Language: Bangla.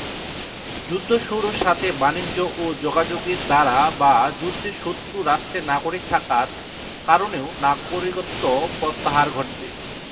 যুদ্ধ শত্রুর সাথে বাণিজ্য ও যোগাযোগের দ্বারা বা যুদ্ধে শত্রু রাষ্ট্রের নাগরিক থাকার কারণেও নাগরিকত্ব প্রত্যাহার ঘটবে।